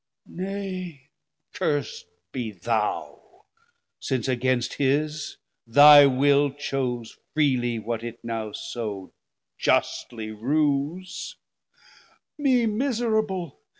70 Nay curs'd be thou; since against his thy will Chose freely what it now so justly rues. Me miserable!